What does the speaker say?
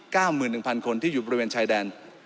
๙๑๐๐๐คนที่อยู่บริเวณชายแดน